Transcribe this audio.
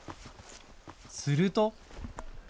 すると。